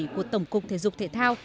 của tổng cục thể dục thể thao